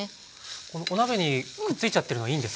このお鍋にくっついちゃってるのはいいんですか？